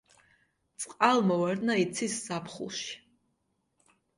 წყალმოვარდნა იცის ზაფხულში.